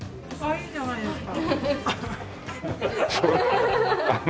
いいじゃないですか。